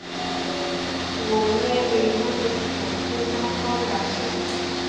vốn nghe về ma lực của Kumanthong đáng sợ